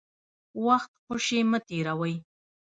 وخت خوشي مه تېروئ.